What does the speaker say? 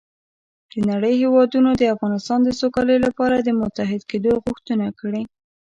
د نړۍ هېوادونو د افغانستان د سوکالۍ لپاره د متحد کېدو غوښتنه کړې